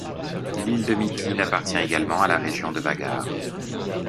L'île de Mykines appartient également à la région de Vágar.